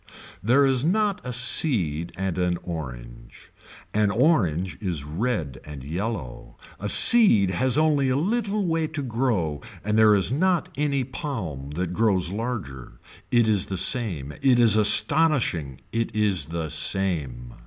There is not a seed and an orange. An orange is red and yellow. A seed has only a little way to grow and there is not any palm that grows larger. It is the same. It is astonishing, it is the same.